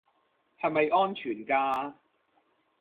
係咪安全㗎